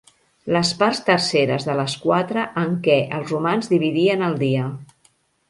Les parts terceres de les quatre en què els romans dividien el dia.